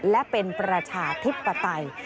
และเป็นประชาธิปไตย